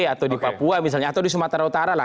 atau di papua misalnya atau di sumatera utara lah